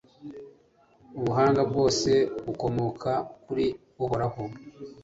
ubuhanga bwose bukomoka kuri uhoraho